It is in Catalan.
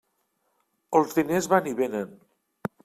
Els diners van i vénen.